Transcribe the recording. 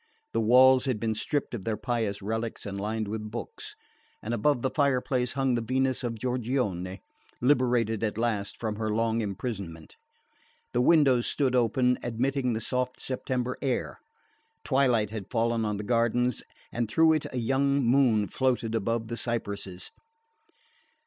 The walls had been stripped of their pious relics and lined with books, and above the fireplace hung the Venus of Giorgione, liberated at last from her long imprisonment. The windows stood open, admitting the soft September air. Twilight had fallen on the gardens, and through it a young moon floated above the cypresses.